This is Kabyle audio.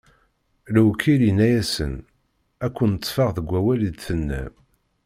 Lewkil inna-asen: Ad ken-ṭṭfeɣ deg wawal i d-tennam!